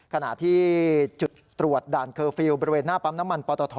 ขณะที่จุดตรวจด่านเคอร์ฟิลล์บริเวณหน้าปั๊มน้ำมันปตท